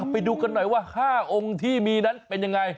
ไปดูกันหน่อยว่า๕องค์ที่มีนั้นเป็นยังไง